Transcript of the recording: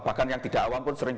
bahkan yang tidak awam pun sering